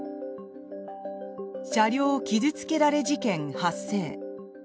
車両傷付けられ事件発生。